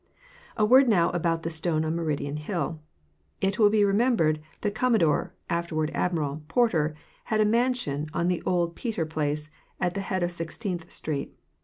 A word now about the stone on Meridian hill. It will be re membered that Commodore (afterward Admiral) Porter had a mansion on the old Peter place, at the head of Sixteenth street.